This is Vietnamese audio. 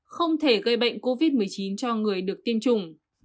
không thể gây bệnh covid một mươi chín cho người được tiêm chủng